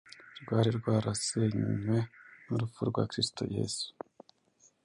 rwari rwarasenywe n’urupfu rwa Kristo yesu